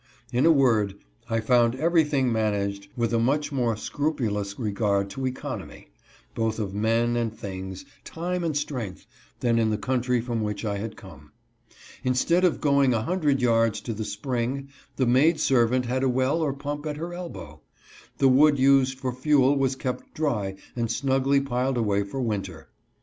In a word, I found everything managed with a much more scrupulous regard to economy, both of men and things, time and strength, than in the country from which I had come. Instead of going a hundred yards to the spring, the maid servant had a well or pump at her elbow. The wood used for fuel was kept dry and snugly piled away for winter.